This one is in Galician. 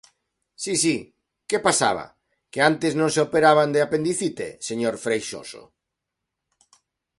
Si, si, ¿que pasaba?, ¿que antes non se operaban de apendicite, señor Freixoso?